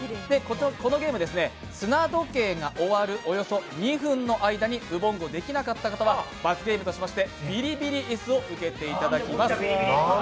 このゲーム、砂時計が終わるおよそ２分の間にウボンゴできなかった方は罰ゲームとしましてビリビリ椅子を受けていただきます。